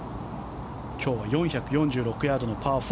今日は４４６ヤードのパー４。